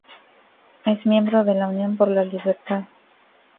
Es miembro de Unión por la Libertad.